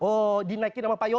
oh dinaikin sama pak yoyo